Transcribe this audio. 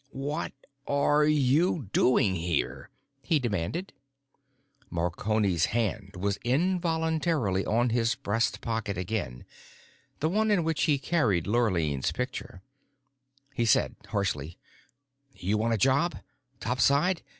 "What are you doing here?" he demanded. Marconi's hand was involuntarily on his breast pocket again, the one in which he carried Lurline's picture. He said harshly: "You want a job? Topside?